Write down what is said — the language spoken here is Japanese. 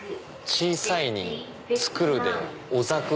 「小さい」に「作る」で小作。